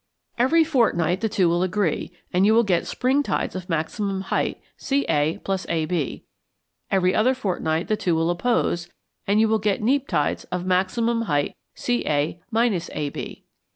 Every fortnight the two will agree, and you will get spring tides of maximum height CA + AB; every other fortnight the two will oppose, and you will get neap tides of maximum height CA AB.